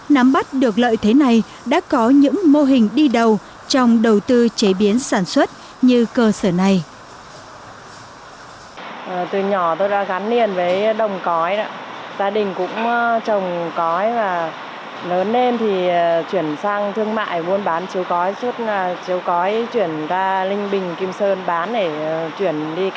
nắm bắt được lợi thế này đã có những mô hình đi đầu trong đầu tư chế biến sản xuất như cơ sở này